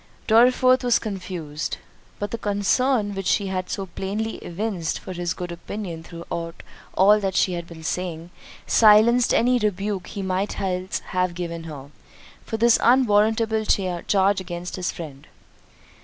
Dorriforth was confused—but the concern which she had so plainly evinced for his good opinion throughout all that she had been saying, silenced any rebuke he might else have given her, for this unwarrantable charge against his friend.